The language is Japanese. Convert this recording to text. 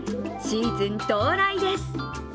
シーズン到来です。